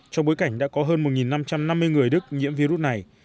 trong bối cảnh đã có hơn một năm trăm năm mươi người đức nhiễm virus này